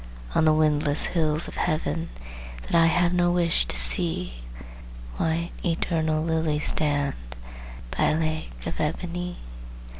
On the windless hills of Heaven, That I have no wish to see, White, eternal lilies stand, By a lake of ebony.